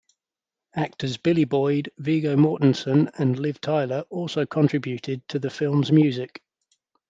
Actors Billy Boyd, Viggo Mortensen and Liv Tyler also contributed to the film's music.